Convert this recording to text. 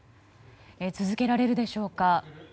続けられるでしょうか。